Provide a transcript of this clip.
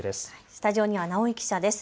スタジオには直井記者です。